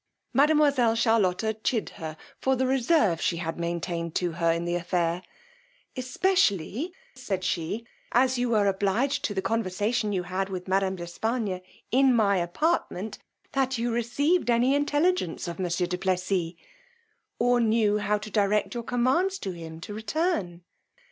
Mademoiselle Charlotta chid her for the reserve she had maintained to her in this affair, especially, said she, as you were obliged to the conversation you had with madam d'Espargnes in my apartment, that you received any intelligence of monsieur du Plessis, or knew how to direct your commands to him to return.